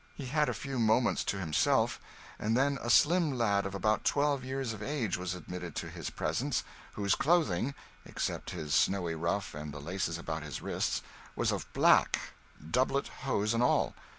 He had a few moments to himself, and then a slim lad of about twelve years of age was admitted to his presence, whose clothing, except his snowy ruff and the laces about his wrists, was of black, doublet, hose, and all.